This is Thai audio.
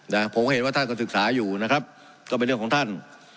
นะผมเห็นว่าท่านก็ศึกษาอยู่นะครับก็เป็นเรื่องของท่าน